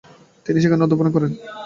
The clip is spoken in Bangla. তিনি সেখানেই অধ্যাপনা করেন।